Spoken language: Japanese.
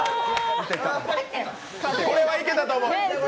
これはいけたと思う。